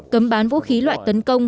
cấm bán vũ khí loại tấn công